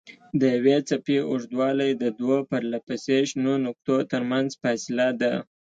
د یوې څپې اوږدوالی د دوو پرلهپسې شنو نقطو ترمنځ فاصله ده.